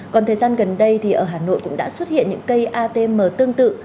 còn thời gian gần đây thì ở hà nội cũng đã xuất hiện những cây atm tương tự